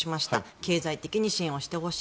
経済的に支援してほしい。